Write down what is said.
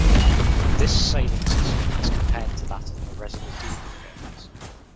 This saving system is compared that in the "Resident Evil" games.